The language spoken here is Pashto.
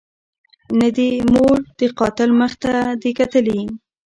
نه دي مور د قاتل مخ ته دي کتلي